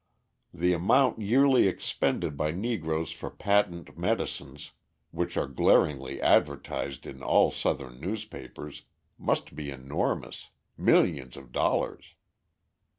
The amount yearly expended by Negroes for patent medicines, which are glaringly advertised in all Southern newspapers, must be enormous millions of dollars.